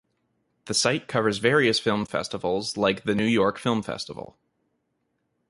The site covers various film festivals like the New York Film Festival.